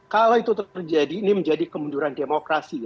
kalau itu terjadi ini menjadi kemunduran demokrasi